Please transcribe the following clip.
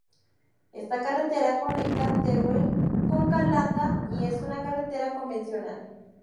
Esta carretera conecta Teruel con Calanda, y es una carretera convencional.